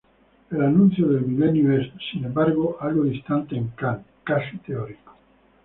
El anuncio del milenio es, sin embargo, algo distante en Kant, casi teórico.